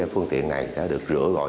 phương tiện này đã được rửa rồi